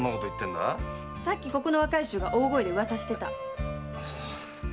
さっきここの若い衆が大声で噂してた。